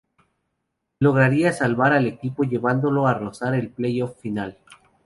Lograría salvar al equipo llevándolo a rozar el play-off final.